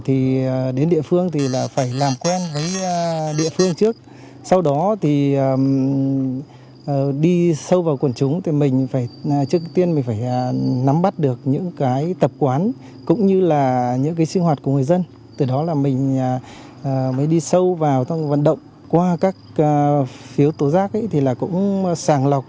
từ đó là mình mới đi sâu vào vận động qua các phiếu tố giác thì là cũng sàng lọc